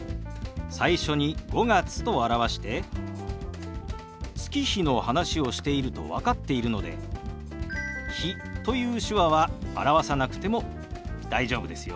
最初に「５月」と表して月日の話をしていると分かっているので「日」という手話は表さなくても大丈夫ですよ。